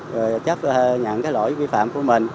rồi chấp nhận cái lỗi vi phạm của mình